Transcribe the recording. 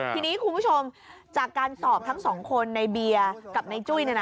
ทีนี้คุณผู้ชมจากการสอบทั้งสองคนในเบียร์กับในจุ้ย